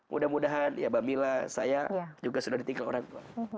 mudah mudahan ya mbak mila saya juga sudah ditinggal orang tua